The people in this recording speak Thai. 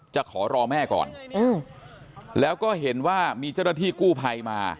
จะขอรอแม่ก่อนแล้วก็เห็นว่ามีเจ้าหน้าที่กู้ภัยมา